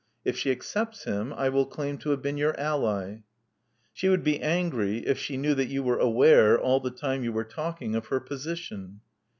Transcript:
If she accepts him, I will claim to have been your ally." '*She would be angry if she knew that you were aware, all the time you were talking, of her position."